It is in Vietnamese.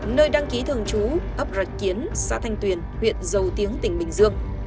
nơi đăng ký thường chú ấp rạch kiến xã thanh tuyền huyện dầu tiếng tp biên hòa